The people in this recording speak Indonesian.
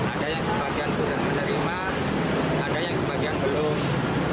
ada yang sebagian sudah menerima ada yang sebagian belum